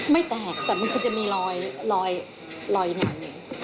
ไม่แตกแต่มันคือจะมีรอยแนวอยู่